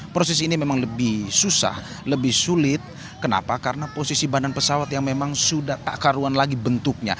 proses ini memang lebih susah lebih sulit kenapa karena posisi badan pesawat yang memang sudah tak karuan lagi bentuknya